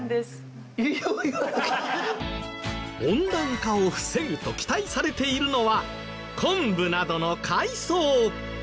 温暖化を防ぐと期待されているのは昆布などの海藻。